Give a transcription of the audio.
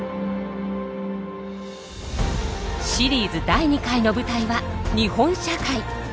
シリーズ第２回の舞台は日本社会。